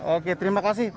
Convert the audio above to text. oke terima kasih